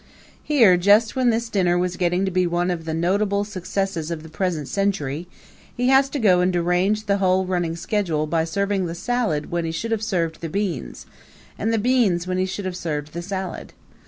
Here, just when this dinner was getting to be one of the notable successes of the present century, he has to go and derange the whole running schedule by serving the salad when he should have served the beans, and the beans when he should have served the salad.